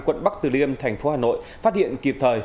quận bắc từ liêm tp hcm phát hiện kịp thời